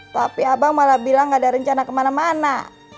tapi abang malah bilang gak ada rencana kemana mana